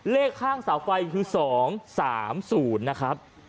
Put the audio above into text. เลขข้างเสาไฟคือ๒๓๐นะครับ